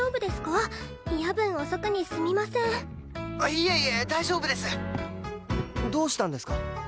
「いえいえ大丈夫です！」どうしたんですか？